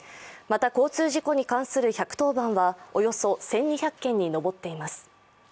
また、交通事故に関する１１０番はおよそ１２００件に上っています。